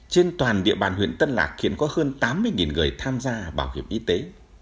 trên toàn địa bàn huyện tân lạc hiện có hơn tám mươi người tham gia bảo hiểm y tế